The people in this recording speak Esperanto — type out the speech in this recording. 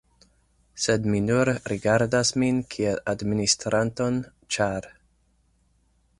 Sed mi nur rigardas min kiel administranton, ĉar.